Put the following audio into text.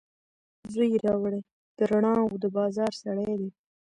زوی یې راوړي، د رڼاوو دبازار سړی دی